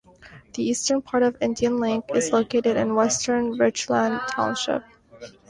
The eastern part of Indian Lake is located in western Richland Township.